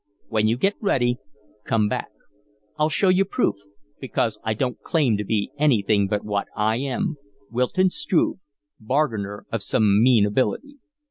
When you get ready, come back; I'll show you proof, because I don't claim to be anything but what I am Wilton Struve, bargainer of some mean ability.